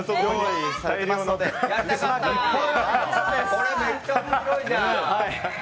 これ、めっちゃ面白いじゃん。